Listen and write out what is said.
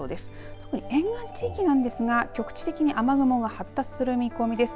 特に沿岸地域なんですが局地的に雨雲が発達する見込みです。